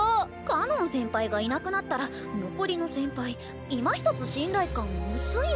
かのん先輩がいなくなったら残りの先輩いまひとつ信頼感薄いんですの。